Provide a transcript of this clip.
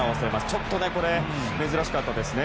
ちょっとこれ、珍しかったですね。